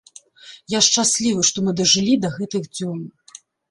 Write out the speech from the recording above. Я шчаслівы, што мы дажылі да гэтых дзён.